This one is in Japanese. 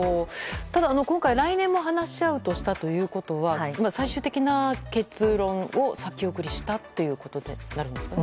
ただ、来年も話し合うとしたということは最終的な結論を先送りしたということになるんでしょうか。